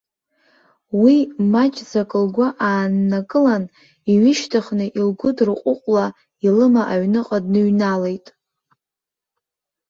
Уи маҷӡак лгәы ааннакылан, иҩышьҭыхны, илгәыдырҟәыҟәла илыма аҩныҟа дныҩналеит.